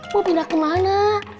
mau pindah kemana